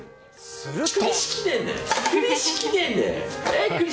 すると。